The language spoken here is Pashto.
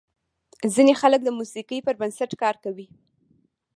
ځینې خلک د موسیقۍ پر بنسټ کار کوي.